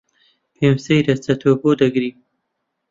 پێم سەیرە چەتۆ بۆ دەگری.